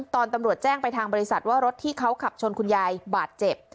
ตอนตำรวจแจ้งไปทางบริษัทว่ารถที่เขาขับชนคุณยายบาดเจ็บ